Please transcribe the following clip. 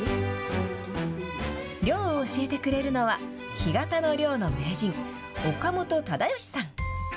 漁を教えてくれるのは、干潟の漁の名人、岡本忠好さん。